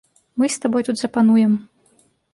Мы з табой тут запануем.